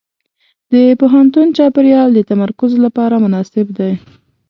د پوهنتون چاپېریال د تمرکز لپاره مناسب دی.